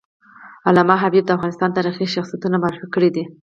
علامه حبیبي د افغانستان تاریخي شخصیتونه معرفي کړي دي.